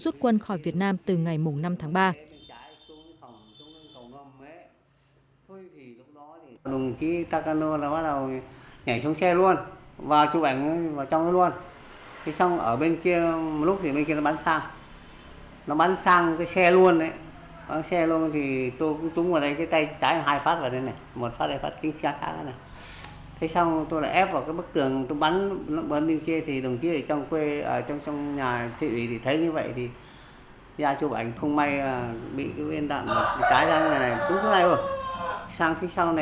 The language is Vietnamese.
takano đã tuyên bố rút quân khỏi việt nam từ ngày năm tháng ba